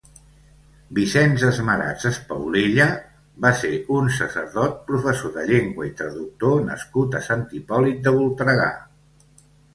Vicenç Esmarats Espaulella va ser un sacerdot, professor de llengua i traductor nascut a Sant Hipòlit de Voltregà.